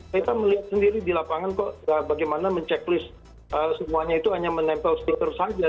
kita melihat sendiri di lapangan kok bagaimana menceklis semuanya itu hanya menempel stiker saja